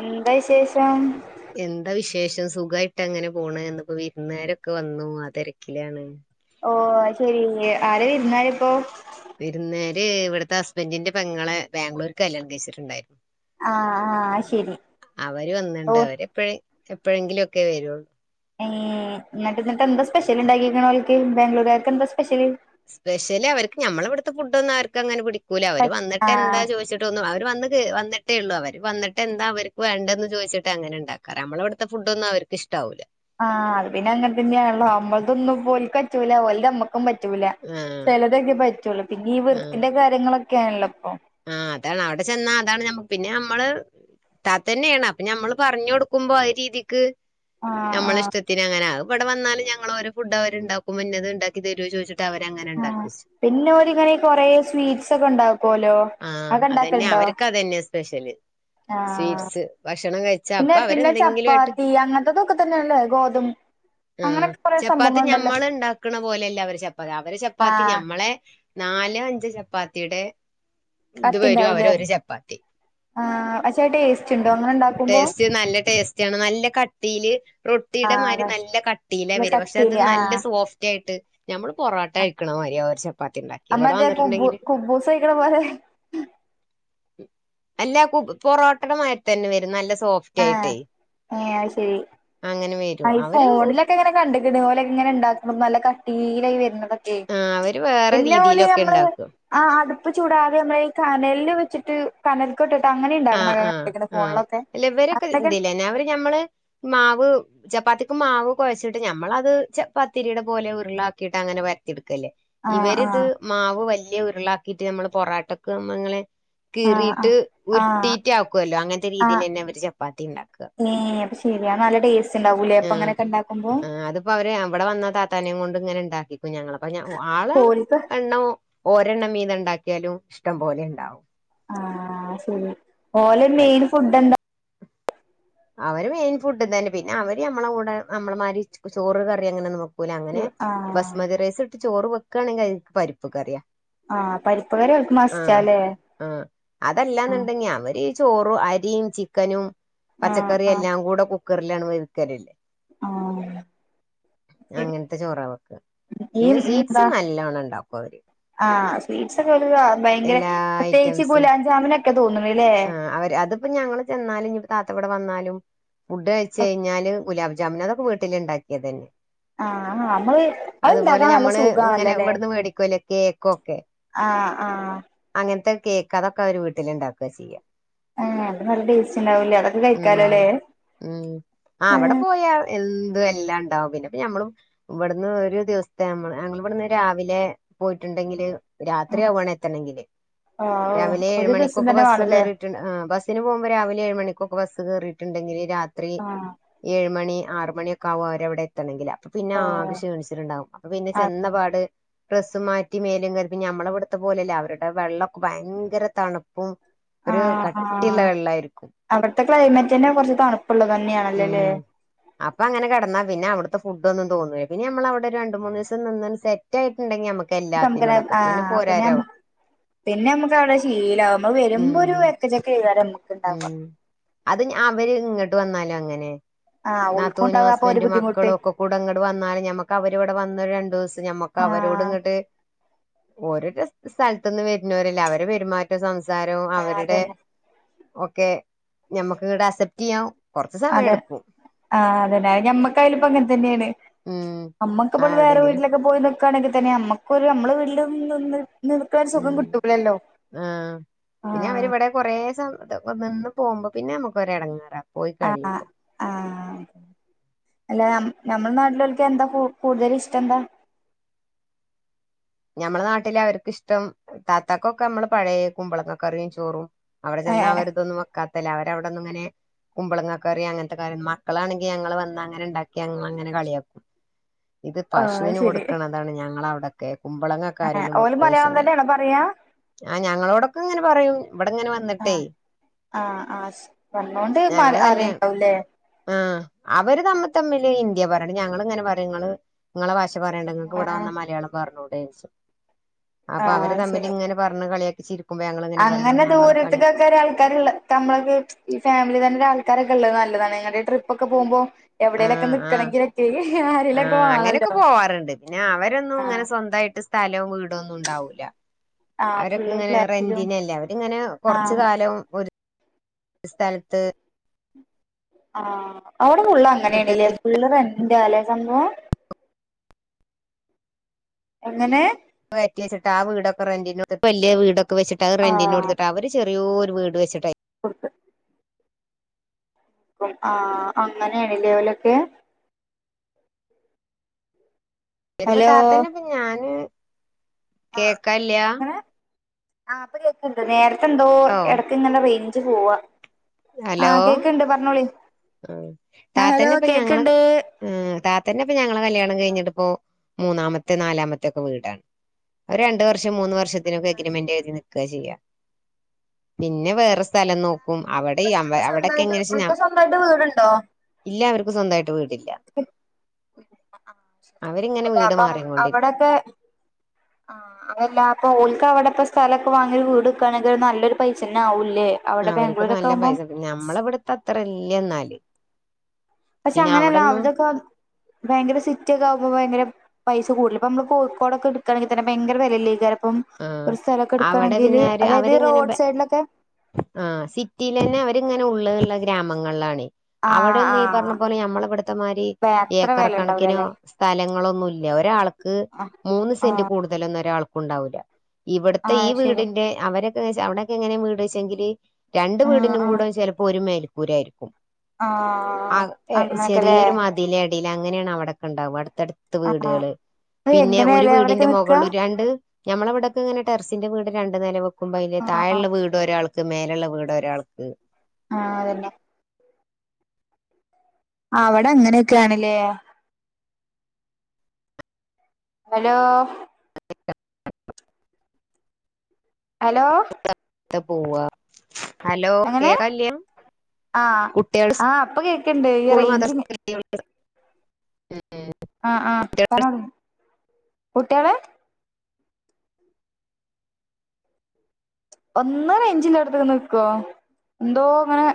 എന്താ വിശേഷം? എന്താ വിശേഷം സുഖമായിട്ട് അങ്ങനെ പോണിപ്പോ വിരുന്നുകാരൊക്കെ വന്നു ആ തിരക്കിലാണ് ഓ അയ്ശേരി ആരാ വിരുന്നുക്കാര് ഇപ്പോ വിരുന്നുക്കാര് ഇവിടത്തെ ഹസ്ബൻഡറിന്റെ പെങ്ങളെ ബാംഗ്ലൂർ കല്യാണം കഴിച്ചിട്ട് ഉണ്ടായിരുന്നു. ആ ആ ശരി അവര് ഓ വന്നിണ്ട് അവരെപ്പഴെ എപ്പോഴെങ്കിലൊക്കെ വരുള്ളൂ ഏഹ് എന്നിട്ട് ന്നട്ട് എന്താ സ്പെഷ്യല്ണ്ടാക്കിണോ ഓൽക്ക് ബാംഗ്ലൂർക്കാർക്ക് എന്താ സ്പെഷ്യല് സ്പെഷ്യല അവർക്ക് ഞമ്മളെ ഇടുത്ത ഫുഡ്ന്നുംഅവര്ക് ങ്ങനെ പിടിക്കൂല്ല അവര് ആ വന്നിട്ട്ന്താ ചോദിച്ചിട്ട് അവർ വ വന്നിട്ടേ ഉള്ളൂ അവർ വന്നട്ട് എന്താ അവർക്ക് വേണ്ടന്ന് ചോദിച്ചിട്ട് അങ്ങനെ ഉണ്ടാക്കാറ് നമ്മള ഇവിടുത്തെ ഫുഡ് ഒന്നും അവർ ഇഷ്ടാവൂല ആഹ് അത് പിന്നെ അങ്ങനെ തന്നെയാണളോ നമ്മളതൊന്നും ഓൽക്കറ്റൂല ഒലതമ്മക്കും പറ്റൂല ആ ചെലതൊക്കെ പറ്റൂള്ളൂ പിന്നെ ഈ വൃത്തിന്റെ കാര്യങ്ങളൊക്കെയണല്ലോ ഇപ്പൊ ആഹ് അതാണ് അവടെ ചെന്നാ അതാണ്ഞമ്മക് പിന്നെ നമ്മള് ത്തന്നെയാണ് അപ്പൊ ഞമ്മള് പറഞ്ഞു കൊടുക്കുമ്പോ ആ രീതിക്ക് ആ ആ മ്മളൾ ഇഷ്ടത്തിന്നങ്ങനെ ആ വടെന്നാലും ഞങ്ങൾ ഓരോഫുഡ് അവർ ഉണ്ടാക്കും ഇന്നത് ഇണ്ടാക്കി തരോചോദിച്ചിട്ട് ന്നിട്ടവര്ങ്ങനെ ഇണ്ടാക്കി വെച്ച് പിന്ന ഓരിങ്ങനെ കൊറേ സ്വീറ്റ്സ് ഒക്കെണ്ടാക്കോല്ലോ ആഹ് അതന്നെ അവര്ക്ക് അതന്ന്യാ സ്പെഷ്യല് ആ സ്വീറ്റ്സ് ഭക്ഷണം കഴി പിന്നെ പിന്നെ ചപ്പാത്തി അങ്ങനത്തതൊക്കെ തന്നെയല്ലേ ഗോതം ഉം ചപ്പാത്തി ഞമ്മള് ഉണ്ടാക്ണ പോലെയല്ല അവര് ചപ്പാത്തി അവര് ചപ്പാത്തി ആഹ് ഞമ്മളെ നാലോഅഞ്ചോ ചപ്പാത്തിയുടെ ഇത് വരും അവര കട്ടിണ്ടാവൂലേ ഒരു ചപ്പാത്തി ആഹ് പക്ഷേ ടേസ്റ്റ് ഉണ്ടോ അങ്ങനെ ഉണ്ടാക്കുമ്പോ ടേസ്റ്റ് നല്ല ടേസ്റ്റാണ് നല്ല ക ട്ടീയില് റൊട്ടിയുടെ ആഹ് മാരി അതെ നല്ല കട്ടിയില വര പക്ഷെ അത് കട്ടിയില് നല്ല ആഹ് സോഫ് റ്റയിട്ട് ഞമ്മള് പൊറോട്ട കഴിക്കണ മാരിയാ ഓരു ചപ്പാത്തിണ്ടാ അമ്മതെ കുബു കുബൂസ്കഴിക്കണപോലെ അല്ല കുബു പൊറോട്ടടെമാരിതന്നെ വരും നല്ല സോഫ് ആഹ് റ്റായിട്ട് അങ്ങനെവെ ഐ ഫോണിലൊക്കെ ഇങ്ങനെ കണ്ട്ക്ണ് ഓലെങ്ങനെ ഇണ്ടാക്കണം നല്ല കട്ടീലായി വെര്ന്നതൊക് ഉം ആ അവര് വേറെ പിന്നെഓല് രീതിയിലൊക്കെ നമ്മള് ഉണ്ടാക്കും ആ അടുപ്പ് ചൂടാതമ്മളെ കനൽല് വെച്ചിട്ട് കനൽക്കൊട്ട് ഇട്ട് ആ അങ്ങനെണ്ടാക്കണ കണ്ട്ക്ണ് ഫോണിലൊക്കെ അത്തക്കെ പിന്ന അവര് ഞമ്മള് മാവ് ചപ്പാത്തിക്കും മാവ് കൊഴച്ചിട്ട് ഞമ്മളത് ചപ്പാത്തിരിയുടെ പോലെ ഉരുളാക്കിയിട്ട് അങ്ങനെ പരത്തിടുക്കല്ലേ ആഹ് ആഹ് ഇവരിത് മാവ് വല്യ ഉരുളാക്കിട്ട് നമ്മള് പൊറാട്ടക്ക് നമ്മങ്ങനെ ആഹ് കീറിട്ട് ആഹ് ഉരു ആഹ് ആഹ് ചപ്പാത്തി ഉണ്ടാക്കുക ഏഹ് അപ്പൊശരിയാ നല്ല ടെസ്റ്റ്‌ണ്ടാകുംലെ ങ്ങനെക്കെണ്ടക്കു ക്കുമ്പോ അപ്പൊവര് വടെ വന്ന താത്താനെയം കൊണ്ട്ങ്ങനെ ഇണ്ടാക്കിക്കും ഞങ്ങ അപ്പ ആള് ഓൽക്ക് എണ്ണോ ഓരെണ്ണം വീതംഇണ്ടാക്കിയാലും ഇഷ്ടംപലെ ഇണ്ടാവും ആഹ് ശരി ഓലെ വൽ മെയിൻ ഫുഡെന്താ അവര് മെയിൻ ഫുഡ്ന്തന്നെ പിന്നെ അവര് നമ്മളെ കൂടെ നമ്മളെ മാരി ഉ ചോറ് കറിങ്ങനൊന്നും വെ കുല അങ്ങനെ ആഹ് ബസ്മതി റൈസ് ഇട്ട് ചോറ് വെക്കുകണെങ്കി അതിക്ക് പരി പ്പുകറിയ ആഹ് പരിപ്പ് കറി ഓൽക്ക് ആഹ് മസ്റ്റാല്ലേ ആഹ് ആഹ് അതല്ലാന്ണ്ടെങ്കി അവര് ചോറും അരിയും ചിക്കനും ആഹ് ആഹ് പച്ചക്കറിയെല്ലാം കൂടെ കുക്കറിലാണ് വെവിക്കല് ആഹ് ശരി അങ്ങനത്തെ ചോറവെക്ക ഈ പിന്നെ സ്വീറ്റ്സ് എന്താ നല്ലവണ്ണംണ്ടാക്കും അവര് ആഹ് സ്വീറ്റ്സ് ഒക്കെലിത ഭയങ്കര എല്ലാ പ്രത്യേകിച്ച് ഐറ്റംസും ഗുലാ ജാമുനൊക്കെ തോന്നണ്ല്ലേ ആഹ് അവര് അതിപ്പ ഞങ്ങള് ചെന്നാലുംഞ്ഞ് താത്തവടെ വന്നാലും ഫുഡ് കഴിച്ചഴിഞ്ഞാല് ഗുലാംജാംമിനതൊക്കെ വീട്ടിൽ ഇണ്ടാക്കിയത് തന്നെ ആഹ് നമ്മള് അത് അതുപോലെ ഇണ്ടാക്കാൻ നല്ല ഞമ്മള് ഇങ്ങനെ സുഖാണല്ലോല്ലേ ഇവടുന്ന് മേടിക്കൂല്ലോ കേക്കൊക്കെ ആഹ് ആഹ് അങ്ങൻത്തെ കേക്ക് അതൊക്കെ അവര് വീട്ടില് ഇണ്ടാക്കുആ ചെയ്യാ ആഹ് അത് നല്ല ടേസ്റ്റ്ണ്ടാവൂലേ അതൊക്കെ കഴിക്കാലോ ഉം ല്ലേ ഉം അവിടെ ആഹ് പോയാ എന്തും എല്ലാം ഇണ്ടാവും പിന്നെപ്പഞമ്മളും ഇവിടുന്ന് ഒരു ദിവസത്തെ നമ്മള് ഞങ്ങളിവിടുന്ന് രാവിലെ പോയിട്ടുണ്ടെങ്കില് രാത്രിയാവു എണെ എത്തണെങ്കില് ഓ രാവിലെ ഏഴ് ഒരു ദിവസം മണിക്കൊക്കെ തന്നെ ബസ്സ്‌ വേണല്ലേ കേറി റ്റുണ്ട് ആഹ് ബസിന് പോകുമ്പോ രാവിലെ ഏഴ് മണിക്കൊക്കെ ബസ്സ് കേറിയിട്ടുണ്ടെങ്കില് രാത്രി ഓ ഏഴ് മണി ആറ് മണി ഒക്കെ ആകും അര് അവിടെ എത്തണെങ്കില പിന്നെ ആകെ ക്ഷീണിച്ചിട്ടുണ്ടാവും അപ്പൊ പിന്നെ ആ ചെന്നപാട് ഡ്രസ്സ് മാറ്റി മേലും കഴുകി മ്മള ഇവിടുത്തെ പോലെയല്ലേ അവരുടെ വെള്ളം ഭയങ്കര തണുപ്പ് പ്പും ആ ഒരു കട്ടിയുള്ള വെള്ളമായിരിക്കും അവിടുത്തെ ക്ലൈമറ്റ് തന്നെ കുറച്ച് തണുപ്പുള്ളത് തന്നെയാണല്ലേല്ലേ ഉം അപ്പൊ അങ്ങനെ കടന്നാ പിന്നെ അവിടുത്തെ ഫുഡ് ഒന്നുംതൊന്നില്ല പിന്നെ നമ്മള അവിടെ ഒരു രണ്ട മൂന്നു ദിവസം നിന്ന് ഒന്ന് സെറ്റ് സെറ്റായിട്ടുണ്ടെങ്കി നമുക്ക് നമുക്കനെ എല്ലാത്തിനും ആ പിന്നെ നമ്മ പോരോരാവും പിന്നെ നമ്മുക്ക് അവിടെ ശീലമാകുമ്പ വരുമ്പോ ഒരു ഉം വരിക്ക ചെക്ക ചെയ്താല നമുക്ക്ണ്ടാവും ഉം അത് അവര് ഇങ്ങോട്ട് വന്നാലും അങ്ങനെ ആ ഓൽക്കും നാത്തൂനും ഉണ്ടാവും അപ്പൊ ഒരു ഹസ്ബൻറും ബുദ്ധിമുട്ട് മക്കളും ഒക്കെ കൂടങ്ങട് വന്നാല ഞമ്മക്ക് അവരി ഇവിടെ വന്ന രണ്ടു ദിവസം ഞമ്മക്ക് ആ അവരോട് ഇങ്ങോട്ട് ഓരോരു സ്ഥലത്തു നിന്ന് വരുന്നവരല്ലേ അവരെ പെരുമാറ്റവും സംസാരവും ആ അവരുടെ അതന്നെ ഓക്കെ ഞമക്ക് ഇങ്ങടെ അക്സെപ്റ്റ് ചെയ്യാൻ കൊറച്ച് സമയം അതെ എടുക്കും ആ അതന്നെ ഞമ്മക്ക ആയാലും അങ്ങനെ തന്നെയാണ് ഉം ആ അമ്മക്കപ്പോൾ വേറെ എവിടെങ്കിലും വീട്ടിലൊക്കെ പോയി നിക്കുകയാണെങ്കിൽ തന്നെ അമ്മക്കൊരു നമ്മളെ വീട്ടിലന്ന് നിൽക്കാൻ ഒരു സുഖം ഉം കിട്ടൂലല്ലോ ആഹ കുറേ നിന്ന് പോകുമ്പോ പിന്നെ നമുക്ക് ഒരൂ ഇടങ്ങേറാകും ആഹ് ആഹ് ആഹ അല്ല നമ്മള നാട്ടിലൊക്ക് എന്താ കൂടുതൽ ഇഷ്ടം എന്താ ഞമ്മളെ നാട്ടില അവർക്ക് ഇഷ്ടം താത്താക്കൊക്കെ നമ്മള് പഴയ കുമ്പളങ്ങ കറിയും ചോറും അവിടെ ചെന്ന ഏഹ് അവര ഇതൊന്നും വെക്കാത്തല്ല അവരവിട ഒന്നും ഇങ്ങനെ കുമ്പളങ്ങ കറി അങ്ങനത്തെ കാര്ം മക്കളാണെങ്കിൽ ഞങ്ങൾ വന്ന അങ്ങനെ ഉണ്ടാക്കി ഞങ്ങ അങ്ങെ കളിയാക്കും ഇത് ആഹ് പശുവിന് ശരി കൊടുക്കണതാണ് ഞങ്ങ അവിടെക്കെ കുമ്പളങ്ങ ആ ഓല് മലയാളം തന്നെയാണോ പറയാ ആഹ് ഞങ്ങളോടൊക്കെ ഇങ്ങനെ പറയും ഇവിടെ ഇങ്ങനെ വന്നിട്ടേ ആഹ ആ വന്നൊണ്ട് അറിയണ്ടാവുംല്ലേ ആ അവര് തമ്മിൽ തമ്മില് ഹിന്ദ്യ പറയണം ഞങ്ങ ഇങ്ങനെ പറയും നിങ്ങള് നിങ്ങളെ ഭാഷ പറയേണ്ട് നിങ്ങക്ക് ആഹ് ഇവിടെവന്ന മലയാളം പറഞ്ഞുടെ അപ്പൊ അവര് ആഹ് തമ്മിൽ ശരി ഇങ്ങനെ പറഞ്ഞു കളിയാക്കി ചിരിക്കും അങ്ങനെ ദൂരത്തക്കൊക്കെ ഒ ഒരു ആൾക്കാരുള്ള നമ്മളെ ഈ ഫാമിലി തന്നെ ഒരു ആൾക്കാരൊക്കെ ഉള്ളത് നല്ലതാണ് ഞങ്ങളുടെ ട്രിപ്പ് ഒക്കെ പോകുമ്പോ എവിടേലൊക്കെ ആഹ ആഹ നിക്കണെങ്കിലൊക്കെ ആരേലൊക്കെ ആഹ അങ്ങനെയൊക്കെ വാണല്ലോ പോവാറുണ്ട് പിന്നെ അവരൊന്നും ഇങ്ങനെ ആഹ് സ്വന്തമായിട്ട് സ്ഥലവും വീടോന്നും ഉണ്ടാവൂല്ല ആഹ് അവരൊക്കെ ഫുള്ള് ഇങ്ങനെ ഫ്ലാറ്റിലും റെന്റിനല്ലേ അവരിങ്ങനെ കൊറച്ച ആഹ് കാലം ഒരു സ്ഥലത്ത് ആഹ അവിടെ ഫുള്ള് അങ്ങനെയാണല്ലേ ഫുൾ രന്റാലേ സംഭവം എങ്ങനെ വറ്റ വെച്ചിട്ട് ആ വീടൊക്കെ റന്റിന് വല്യ വീടക്കെ വെച്ചട്ട് റെന്റിന്ടുട്ട് അവര് എത്രയോ ഒരു വീട് വെച്ചിട്ടായി കൊടുത്ത ആ അങ്ങനെയാണ് ഓലൊക്കെ വരുപ്പ ഹലോ താത്തന്നെ ഇപ്പ ഞാന് ആ കേക്കല്ല എങ്ങനെ ആ അപ്പ കേക്കണ്ട് നേരത്തെ എന്തോ ഓ ഇടയ്ക്ക് ഇന്നല്ല റേഞ്ച് പോവാ ആഹ ഹലോ കേക്കണ്ട് പറഞ്ഞോളി ആ ഹലോ കേക്കണ്ട് ഉ താത്തന്നെ ഇപ്പൊ ഞങ്ങള് കല്യാണം കഴിഞ്ഞിട്ട ഇപ്പോ മൂന്നാമത്തെ നാലാമത്തെ ഒക്കെ വീടാണ് ഒരു രണ്ടു വർഷം മൂന്ന് വർഷം ഇതിനൊക്കെ എഗ്രിമെന്റ് എഴുതി നിക്കാ ചെയ്യാ പിന്നെ വേറെ സ്ഥലം നോക് ക്കും അവടെയ് അംവ അവ്ടെക്കെ എങ്ങനെച്ചിൻ ഞ്ഞം ഇവൽത് വീട് ണ്ടോ ഇല്ല്യാ അവര്ക്ക് സ്വന്തായിട്ട് വീടില്ല അവരിങ്ങനെ [unintelligible] വീട് അപ്പം മാറിക്കൊണ്ടിരിക്കും അവ്ടൊക്കെ ആഹ് അതല്ല അപ്പം ഓൽക്ക് അവടെപ്പം സ്ഥലൊക്കെ വാങ്ങി ഒര് വീട് വെക്കാണെങ്കി ഒര് നല്ലൊരു പൈസന്നെ ആവൂല്ലേ അവ്ടെ ബാഗ്ലൂരൊക്കെ ആകുമ്പം ഞമ്മളെ വ്ട്ത്തെ അത്ര ഇല്ല്യന്നാല് പക്ഷെ അങ്ങനെയല്ല അവ്ടൊക്കെ ഭയങ്കര സിറ്റി ഒക്കെ ആകുമ്പ ഭയങ്കര പൈസ കൂട്ലെ ഇപ്പം അമ്മ്ള് കോഴിക്കോടൊക്കെ ഇട്ക്കാണെങ്കി തന്നെ ഭയങ്കര വെലല്ലേയ്ക്കാരം പ്പം ആഹ് ഒരു സ്ഥലൊക്കെ അവിടെ എടുക്കാണെങ്കില് അതായത് ഈ റോഡ് സൈട്ലൊക്കെ ആ സിറ്റിയിലെന്നെ അവര്ങ്ങനെ ഉള്ള്ല്ള്ള ഗ്രാമങ്ങളിലാണേ അവടെ ആഹ് ഒന്നും ഈ പർഞ്ഞ ആഹ് പോലെ ഞമ്മളവ്ട്ത്തെ മാരി അത്ര ഏക്കറ വില ക്കണക്കിനോ ഉണ്ടാവൂലല്ലേ സ്ഥലങ്ങളൊന്നുല്ല ഒരാൾക്ക് ആഹ് മൂന്ന് സെന്റ് ആഹ് കൂടുതലൊന്നും ഒരാൾക്കുണ്ടാവൂല്ല ഇവട്ത്തെ ഈ ആഹ് ശരി വീടിന്റെ അവരൊക്കെന്ന് വെച്ചാ അവ്ടെക്കെ എങ്ങനെ വീട് വെച്ചെങ്കില് രണ്ട് ആഹ് വീട്നും ആഹ് കൂടെ ചെലപ്പോ ഒരു മേൽക്കൂരായ്ര്ക്കും ആഹ് അക് എ അങ്ങനൊക്കെല്ലേ ചെറിയൊരു മതില് എടീല് അങ്ങനെയാണ് അവിടക്കെണ്ടാവ അടുത്തടുത്ത് ത്ത് ആഹ് വീടുകള് അത് പിന്നെ ഒരു എങ്ങനെയല്ലേ അവരൊക്കെ വീടിന്റെ നിക്കാ മുകള് രണ്ട് നമ്മളവ്ടൊക്കെങ്ങനെ ടെറസിന്റെ വീട് രണ്ട് നെല വെക്കുമ്പോ അതിന്റെ ആഹ് താഴെയുള്ള വീട് വീട് ഒരാൾക്ക് മേലള്ള വീട് ഒരാൾക്ക് ആ അതന്നെ [inaudible] അവടെ അങ്ങനെയൊക്കെ യാണല്ലേ ഹലോ [unintelligible] ഹലോ ക്കെ പോവാ ഹലോ കേക്കാ ല്യാ ആ ആ പ്പൊ കേക്ക്ണ്ട് ഈ സ്കൂൾ റൈഞ്ചിന് [unintelligible] ഏഹ് ആ ആ പർഞ്ഞുട് ന്ന് കുട്ട്യേളേ ഒന്ന് റൈഞ്ച് ള്ളോട്ത്ത്ക്ക് നിക്കുവോ എന്തോ ങ്ങനെ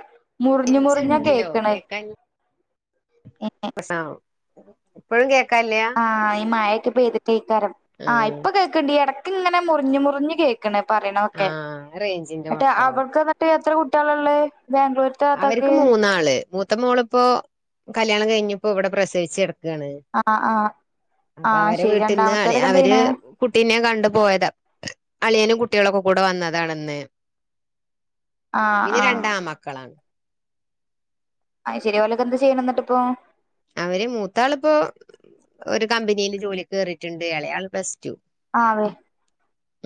മുർഞ്ഞ് റേഞ്ച് മുർഞ്ഞാ ഉണ്ടല്ലോ കേക്ക്ണത് [unintelligible] ഇപ്പഴും കേക്കാല്ല്യാ ആ ഈ മയക്കെ പെയ്തിട്ടെയ്ക്കാരം ആ ആഹ് ഇപ്പൊ കേക്ക്ണ്ട് ഈ എടക്ക് ങ്ങനെ മുറിഞ്ഞ് മുറിഞ്ഞ് കേ ക്ക്ണ് പറയ്ണത് ഒക്കെ ആഹ് റേഞ്ചിന്റെ മറ്റേ കുഴപ്പാവും അവൾക്ക് ന്ന്ട്ട് എത്ര കുട്ട്യേളാള്ളേ ബാംഗ്ലൂര് അവര്ക്ക് മൂന്നാള് മൂത്ത മോള്പ്പോ കല്യാണം കഴിഞ് പ്പോ ഇവ്ടെ പ്രസവിച്ച് കെട്ക്കാണ് ആഹ് ആഹ് അപ്പൊ ആഹ് അവരെ ശെരി വീട്ട്ന്ന് രണ്ടാമത്തോരൊക്കെ എന്ത അവര് ചെയ്യ്ണെ കുട്ടീനെ കണ്ടു പോയതാ അളിയനും കുട്ട്യേളൊക്കെ കൂടെ വന്നതാണ്ന്ന് ആഹ് പിന്നെ ആഹ് രണ്ടാൺ മക്കളാണ് അത് ശരി ഓലൊക്കെ എന്ത ചെയ്യ്ണ് ന്ന്ട്ട് പ്പോ അവര് മൂത്താള്പ്പോ ഒരു കമ്പനീല് ജോലിക്ക് കേറീട്ട്ണ്ട് എളേ ആള് പ്ലസ്റ്റൂ ആഹ്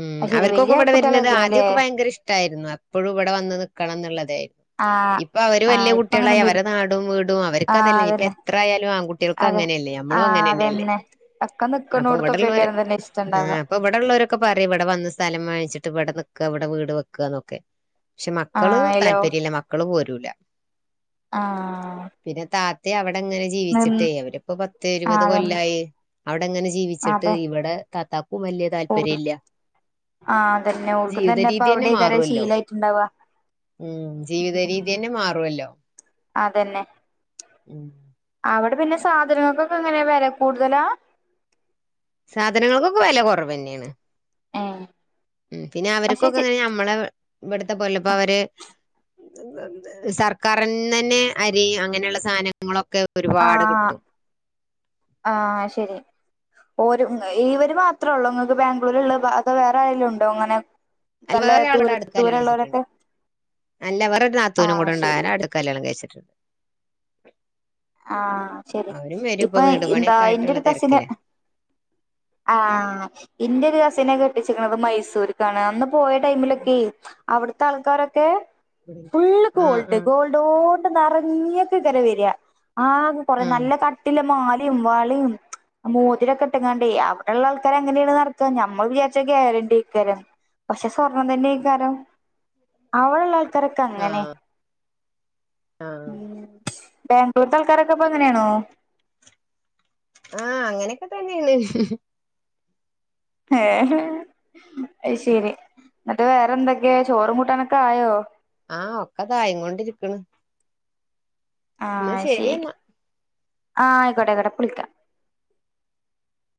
ഉം അത് ശെരി അവര്ക്കൊക്കെ വല്യ വ്ടെ വര്നത് കുട്ടികളായിക്ക്ണ്ല്ലേ ആദ്യക്കെ ഭയങ്കര ഇഷ്ട ഷ്‌ട്ടായ്രുന്നു എപ്പഴും വടെ വന്ന് നിക്കണം ന്ന്ള്ളതേര്ന്നു ആഹ് ഇപ്പൊ അവര് വല്യ ആഹ് ഇപ്പ കുട്ട്യാളായി അങ്ങനൊന്നുല്ല അവരെ നാടും വീടും ആഹ് അവര്ക്കതല്ലേ ഇപ്പ അതന്നെ എത് എത്രയാലും ആൺകുട്ടികൾക്ക് അതെ അങ്ങനെയല്ലേ നമ്മളും ആഹ് അങ്ങനെ തന്നെയല്ലേ അതന്നെ ഒക്കെ അപ്പൊ ഇവിടെള്ളവര് നിക്കണോടത്തൊക്കെക്കാരം തന്നെ ഇഷ്ടണ്ടാവ ഇപ്പ ഇവിടെള്ളവരൊക്കെ പറയും ഇവിടെ വന്ന് സ്ഥലം വാങ്ങിച്ചിട്ട് ഇവിടെ നിക്കുക ഇവിടെ വീട് വെക്കുക എന്നൊക്കെ പക്ഷെ മക്കള് ആഹ് അയ്ലോ താല്പര്യല്ല മക്കള് പോരൂല ആഹ് പിന്നെ താത്തയും അവിടെങ്ങനെ നിന്ന് ജീവിച്ചിട്ടേയ് അവരിപ്പോ പത്ത് ആഹ് ഇരുപത് അതന്നെ കൊല്ലായി അവിടെങ്ങനെ ജീവിച്ചിട്ട് അതെ ഇവിടെ തത്താക്കും വലിയ താല്പര്യം ഇല്ല ആ അതന്നെ ഓൾക്കും ജീവിത തന്നെ ഇപ്പൊ രീതി അവിടെ അയിക്കാരം മാറുമല്ലോ ശീലായിട്ടുണ്ടാവ ഉം ജീവിത രീതി ഉം തന്നെ മാറുവല്ലോ അതന്നെ ഉം അവിടെ പിന്നെ സാധനങ്ങൾക്കൊക്കെ എങ്ങനെയാ വെല കൂടുതലാ സാധനങ്ങൾക്കൊക്കെ വില കുറവെന്നെയാണ് ഏഹ് ഉം പിന്നെ പക്ഷെ അവര്ക്കൊക്കെ ചെ എങ്ങനെ ഞ നമ്മളെ ഇവിടുത്തെ ബോലബ അവര് സർക്കാർ ന്ന്ന്നെ അരി അങ്ങനെയുള്ള സാധനങ്ങളൊക്കെ ഒരുപാട് ആഹ് കിട്ടും ആഹ് ശരി ഓര് ഇവര് മാത്രേ ഉള്ളൂ നിങ്ങൾക്ക് ബാംഗ്ലൂര്ള്ളത് അതോ വേറെ ആരെങ്കിലും ഉണ്ടോ ഇങ്ങനെ അല്ല വേറെ ആളുടെ അടുത്തണ് കല്യാണം കഴിച്ചിട്ടുണ്ട് അല്ല വേറൊരു നാത്തുനും ആഹ് കൂടെ ശരി ഉണ്ട് അടു കല്യാണം കഴിച്ചിട്ടുണ്ട് ആഹ് ശരി അവരും വരും ഇപ്പ ഇപ്പൊ വീട് എന്താ പണിയൊക്കെ എന്റെ ആയിട്ടുള്ള ഒരു കസിന് തിരക്കിലാ ആഹ് ഇന്റെ ഒരു കസിനെ കെട്ടിച്ചിരിക്ക്ണത് മൈസൂർക്കാണ് അന്ന് പോയ ടൈമിലൊക്കെയ് അവിടുത്തെ ആൾക്കാരൊക്കെ ഫുള് ആഹ് ഗോൾഡ് ആഹ് ഗോൾഡ് ഗോൾഡൊണ്ട് നറഞ്ഞ് ങ്ങനെ വെര ആഹ് കൊറ ആഹ് നല്ല കട്ടില്ലേ മാലിം വാളേം മോതിരൊക്കെ ഇട്ട്ങ്ങാണ്ടേയ് അവിടെ ഉള്ള ആൾക്കാര് അങ്ങനെയാണ് നടക്കാ ഞമ്മൾ വിചാരിച്ച കേരണ്ടിക്കാരം പക്ഷെ സ്വർണം തന്നെക്കാരം അവളളേ ഇക്കരൊക്കെ ആഹ് അങ്ങനെ ആഹ് ഇവടത്തേ ആൾക്കാരൊക്കെപ്പൊ അങ്ങനാണോ ആഹ് അങ്ങനെയൊക്കെ തന്നെയാണ് ഏഹ് ഹെ അയ്ശരി എന്നിട്ട് വേറെന്തൊക്കെയ ചോറും കൂട്ടാനൊക്കെ ആയോ ആ ഒക്കെതായി കൊണ്ടിരിക്ക്ണ് ആഹ് ശരി എന്നാ ശെരി ആ ആയിക്കോട്ടെ ആയിക്കോട്ടെ ഇപ്പൊ വിളിക്കാം